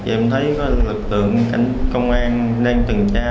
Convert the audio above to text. em thấy có lực tượng cảnh công an đang trừng tra